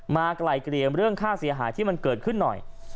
ไกลเกลี่ยมเรื่องค่าเสียหายที่มันเกิดขึ้นหน่อย